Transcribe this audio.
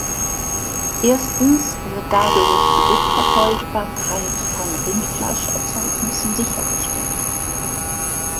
Erstens wird dadurch die Rückverfolgbarkeit von Rindfleischerzeugnissen sichergestellt.